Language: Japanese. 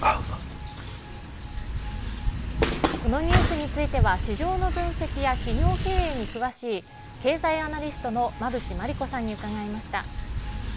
このニュースについては市場の分析や企業経営に詳しい経済アナリストの馬渕磨理子さんに伺いました。